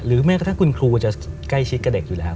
หรือถ้าคุณครูจะใกล้ชิดกับเด็กอยู่แล้ว